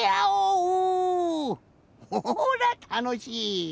ほらたのしい！